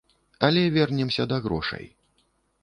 Але вернемся да грошай.